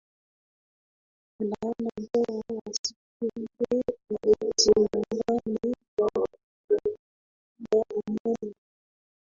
anaona bora asipige arudi nyumbani kwa kuhofia amani